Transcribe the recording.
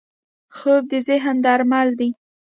خوب د ذهن درمل دی